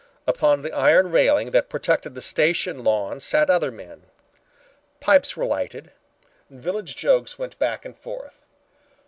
Upon the iron railing that protected the station lawn sat other men. Pipes were lighted. Village jokes went back and forth.